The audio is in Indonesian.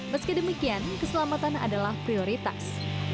meski demikian keselamatan adalah prioritas